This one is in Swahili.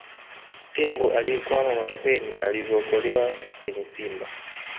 Tembo aliyekwama matopeni alivyookolewa Kenya Simba